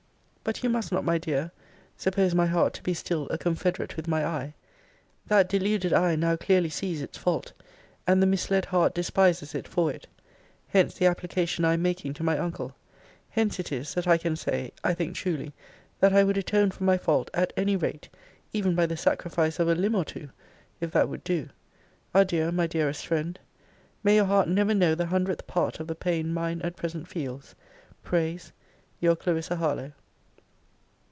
But you must not, my dear, suppose my heart to be still a confederate with my eye. That deluded eye now clearly sees its fault, and the misled heart despises it for it. Hence the application I am making to my uncle: hence it is, that I can say (I think truly) that I would atone for my fault at any rate, even by the sacrifice of a limb or two, if that would do. Adieu, my dearest friend! May your heart never know the hundredth part of the pain mine at present feels! prays Your CLARISSA HARLOWE.